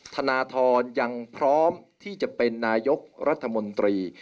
ธนทรยังพร้อมที่จะเป็นนายกรัฐมนตรี